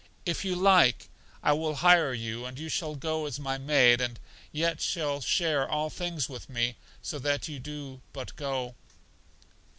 If you like I will hire you, and you shall go as my maid, and yet shall share all things with me, so that you do but go.